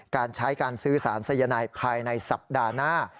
การใช้การซื้อสารสายนายภายในสัปดาห์หน้า